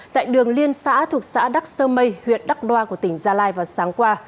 tại đường liên xã thuộc xã đắc sơ mây huyện đắc đoa của tỉnh gia lai vào sáng qua